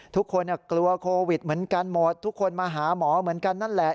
ทุกคนกลัวโควิดเหมือนกันหมดทุกคนมาหาหมอเหมือนกันนั่นแหละ